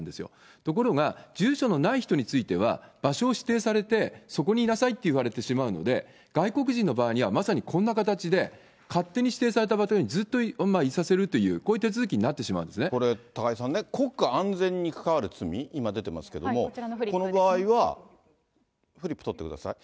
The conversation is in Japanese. ところが、住所のない人については、場所を指定されて、そこにいなさいと言われてしまうので、外国人の場合にはまさにこんな形で、勝手に指定された場所にずっといさせるという、こういう手続きにこれ、高井さんね、国家安全に関わる罪、今出ていましたけれども、この場合は、フリップ撮ってください。